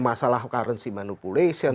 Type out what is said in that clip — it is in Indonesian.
masalah currency manipulation